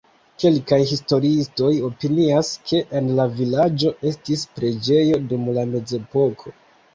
Kelkaj historiistoj opinias, ke en la vilaĝo estis preĝejo dum la mezepoko.